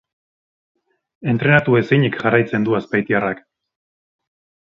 Entrenatu ezinik jarraitzen du azpeitiarrak.